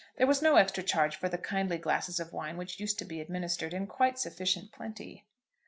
There was no extra charge for the kindly glasses of wine which used to be administered in quite sufficient plenty.